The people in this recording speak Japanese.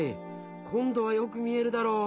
こんどはよく見えるだろう。